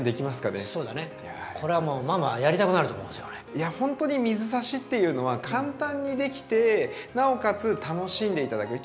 いやほんとに水挿しっていうのは簡単にできてなおかつ楽しんで頂ける。